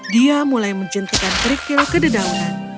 dia mulai menjentikan kerikil ke dedaunan